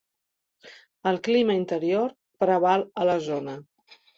El clima interior preval a la zona.